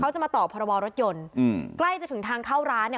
จะมาต่อพรบรถยนต์อืมใกล้จะถึงทางเข้าร้านเนี่ย